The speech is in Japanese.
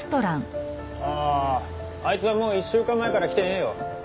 あああいつはもう１週間前から来てねえよ。